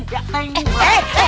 ya eh eh